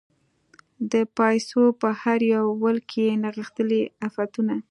د پایڅو په هر یو ول کې یې نغښتلي عفتونه